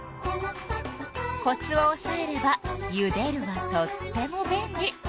コツをおさえれば「ゆでる」はとっても便利。